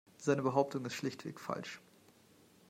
Seine Behauptung ist schlichtweg falsch.